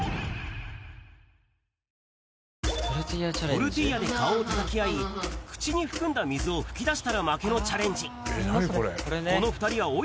トルティーヤで顔をたたき合い、口に含んだ水を噴き出したら負けのチャレンジ。